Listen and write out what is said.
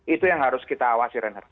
itu yang harus kita awasi reinhardt